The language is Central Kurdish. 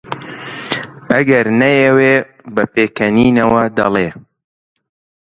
ئەگەر نەیەوێ بە پێکەنینەوە دەڵێ: